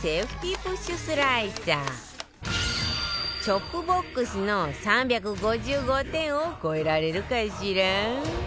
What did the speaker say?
チョップボックスの３５５点を超えられるかしら？